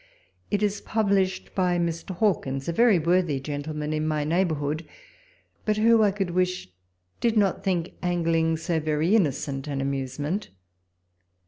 It is published by Mr. Hawkins, a very worthy gentleman in mj' neighbourhood, but who, I could wish, did not think angling so very innocent an amusement.